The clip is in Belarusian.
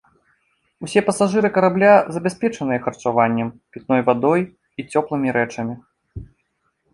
Усе пасажыры карабля забяспечаныя харчаваннем, пітной вадой і цёплымі рэчамі.